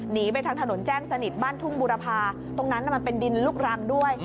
หนีไปทางถนนแจ้งสนิทบ้านทุ่งบุรพาตรงนั้นมันเป็นดินลูกรังด้วย